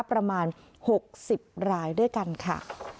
ประมาณ๖๐รายด้วยกันค่ะ